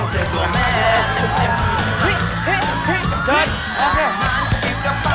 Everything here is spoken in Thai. ขอซื้อท่านิกสิทธิ์